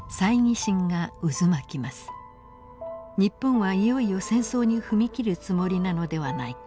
日本はいよいよ戦争に踏み切るつもりなのではないか。